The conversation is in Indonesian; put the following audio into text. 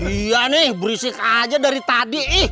iya nih berisik aja dari tadi